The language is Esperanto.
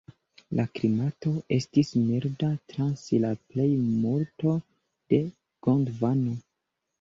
La klimato estis milda trans la plejmulto de Gondvano.